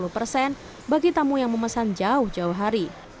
sepuluh persen bagi tamu yang memesan jauh jauh hari